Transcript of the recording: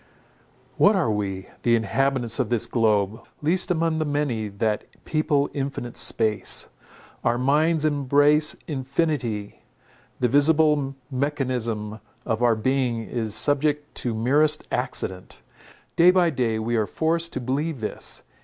What are we, the inhabitants of this globe, least among the many that people infinite space? Our minds embrace infinity; the visible mechanism of our being is subject to merest accident. Day by day we are forced to believe this.